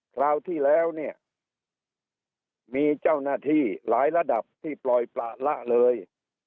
คราวที่แล้วเนี่ยมีเจ้าหน้าที่หลายระดับที่ปล่อยประละเลย